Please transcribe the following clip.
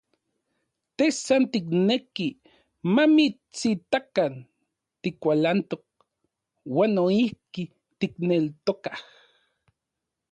Te san tikneki mamitsitakan tikualantok, uan noijki tikneltokaj.